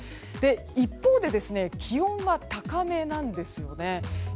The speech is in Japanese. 一方で、気温が高めなんです。